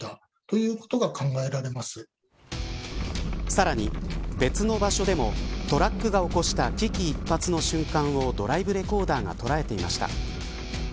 さらに別の場所でもトラックが起こした危機一髪の瞬間をドライブレコーダーが捉えていました。